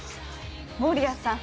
守谷さん